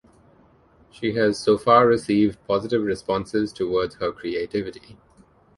She has so far received positive responses towards her creativity.